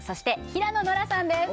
平野ノラさんです